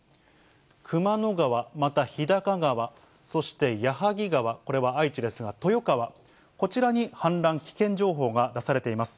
熊野川、また日高川、そしてやはぎ川、これは愛知ですが、豊川、こちらに氾濫危険情報が出されています。